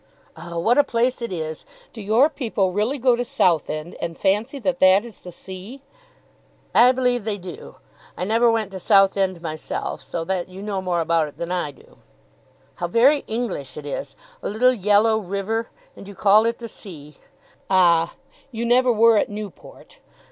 "Oh, what a place it is! Do your people really go to Southend and fancy that that is the sea?" "I believe they do. I never went to Southend myself, so that you know more about it than I do." "How very English it is, a little yellow river, and you call it the sea! Ah; you never were at Newport!"